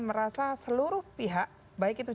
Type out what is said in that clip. merasa seluruh pihak baik itu